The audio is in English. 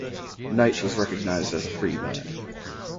Knight was recognised as a free man.